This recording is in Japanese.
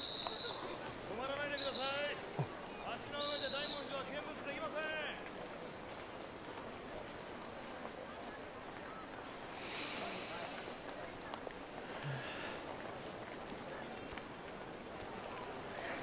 ・止まらないでください。